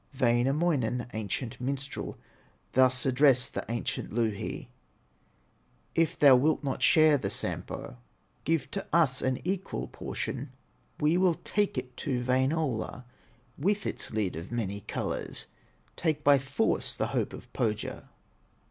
Wainamoinen, ancient minstrel, Thus addressed the ancient Louhi: "If thou wilt not share the Sampo, Give to us an equal portion, We will take it to Wainola, With its lid of many colors, Take by force the hope of Pohya."